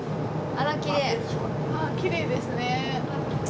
ああきれいですね。